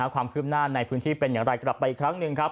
ความคืบหน้าในพื้นที่เป็นอย่างไรกลับไปอีกครั้งหนึ่งครับ